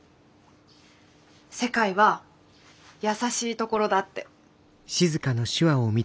世界は優しいところだって。